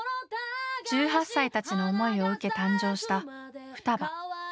１８歳たちの思いを受け誕生した「双葉」。